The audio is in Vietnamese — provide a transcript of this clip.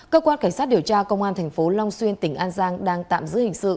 cơ quan cảnh sát điều tra công an thành phố long xuyên tỉnh an giang đang tạm giữ hình sự